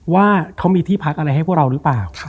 ว่าเขามีที่พักอะไรให้พวกเราหรือเปล่า